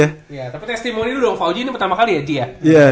ya tapi testimoni dulu dong fauji ini pertama kali ya dia ya